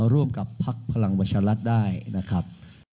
ร่วมกับพักพลังประชารัฐได้นะครับ